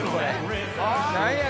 何や？